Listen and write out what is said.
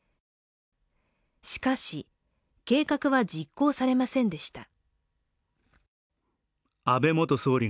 しかし、計画は実行されませんでした。